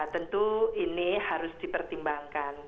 tentu ini harus dipertimbangkan